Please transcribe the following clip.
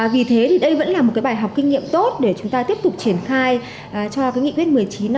vì thế thì đây vẫn là một bài học kinh nghiệm tốt